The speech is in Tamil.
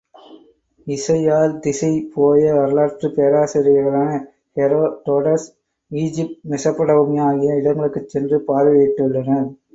இசையால் திசை போய வரலாற்றுப் பேராசிரியர்களான ஹெரோடோடஸ் ஈஜீப்த், மெஸப்பட்டோமியா ஆகிய இடங்களுக்குச் சென்று பார்வையிட்டுள்ளனர்.